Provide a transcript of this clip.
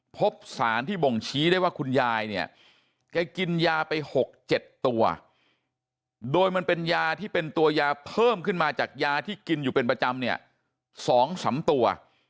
พบสารที่บ่งชี้ได้ว่าคุณยายเนี่ยแกกินยาไป๖๗ตัวโดยมันเป็นยาที่เป็นตัวยาเพิ่มขึ้นมาจากยาที่กินอยู่เป็นประจำเนี่ย๒๓ตัว